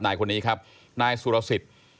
นายคนนี้ครับนายสุรสิทธิ์